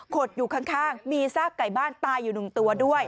ดอยู่ข้างมีซากไก่บ้านตายอยู่๑ตัวด้วย